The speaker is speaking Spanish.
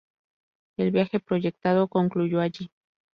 El viaje proyectado concluyó allí.